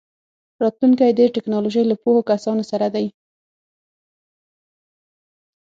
راتلونکی د ټیکنالوژۍ له پوهو کسانو سره دی.